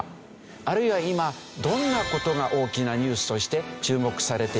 あるいは今どんな事が大きなニュースとして注目されているんでしょうか？